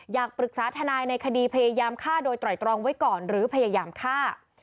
อยากปรึกษาทนายในคดีพยายามฆ่าโดยไตรตรองไว้ก่อนหรือพยายามฆ่า